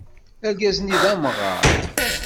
Argaz-nni d amɣaṛ.